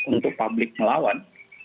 untuk publik melawan